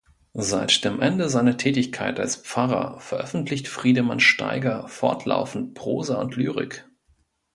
Seit dem Ende seiner Tätigkeit als Pfarrer veröffentlicht Friedemann Steiger fortlaufend Prosa und Lyrik.